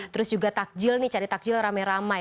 terus juga takjil nih cari takjil ramai ramai